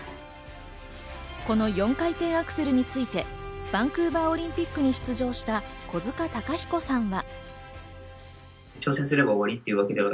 この４回転アクセルについて、バンクーバーオリンピックに出場した小塚崇彦さんは。